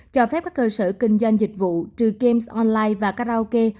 cho phép các cơ sở kinh doanh dịch vụ trừ game online và karaoke